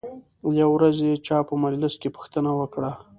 یوې ورځې چا په مجلس کې پوښتنه وکړه.